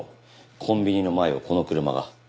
コンビニの前をこの車が。